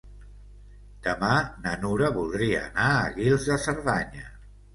Demà na Nura voldria anar a Guils de Cerdanya.